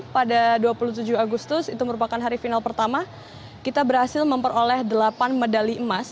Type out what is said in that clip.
pada dua puluh tujuh agustus itu merupakan hari final pertama kita berhasil memperoleh delapan medali emas